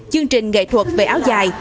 chương trình nghệ thuật về áo dài